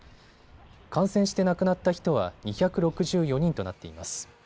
感染して亡くなった人は２６４人となっています。